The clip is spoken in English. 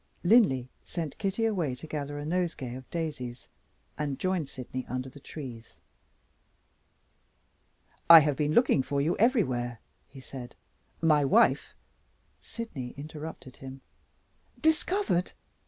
Linley sent Kitty away to gather a nosegay of daisies, and joined Sydney under the trees. "I have been looking for you everywhere," he said. "My wife " Sydney interrupted him. "Discovered!"